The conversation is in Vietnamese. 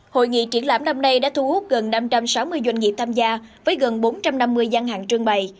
hội nghị triển lãm năm nay đã thu hút gần năm trăm sáu mươi doanh nghiệp tham gia với gần bốn trăm năm mươi gian hàng trương bày